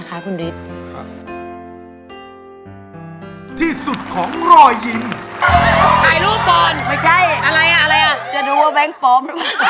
จะดูว่าแบงค์ปอม